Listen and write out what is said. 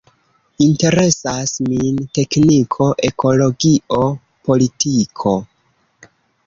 Interesas min tekniko, ekologio, politiko.